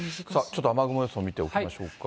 ちょっと雨雲予想見ておきましょうか。